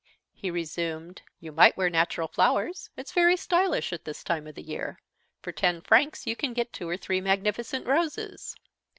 He resumed: "You might wear natural flowers. It's very stylish at this time of the year. For ten francs you can get two or three magnificent roses."